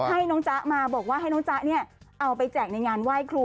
ให้น้องจ๊ะมาบอกว่าให้น้องจ๊ะเนี่ยเอาไปแจกในงานไหว้ครู